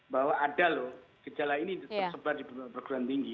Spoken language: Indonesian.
bahwa ada loh gejala ini tersebar di beberapa perguruan tinggi